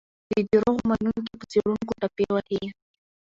د دروغو منونکي په څېړونکو ټاپې وهي.